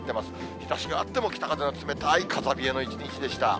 日ざしがあっても北風が冷たい風冷えの一日でした。